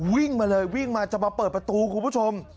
วิ่งมาเลยวิ่งมาจะมาเปิดประตูคุณผู้ชม